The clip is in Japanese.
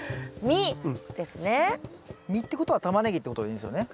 実ってことはタマネギってことでいいんですよね？